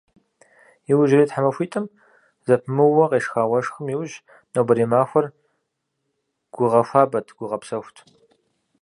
Иужьрей тхьэмахуитӏым зэпымыууэ къешха уэшхым иужь, нобэрей махуэр гугъэхуабэт, гугъэпсэхут.